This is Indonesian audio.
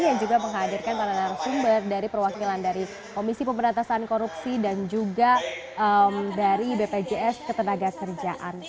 yang juga menghadirkan para narasumber dari perwakilan dari komisi pemberantasan korupsi dan juga dari bpjs ketenaga kerjaan